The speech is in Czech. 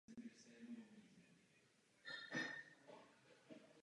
Arnošt Kryštof byl velikým obdivovatelem hudby Wolfganga Amadea Mozarta.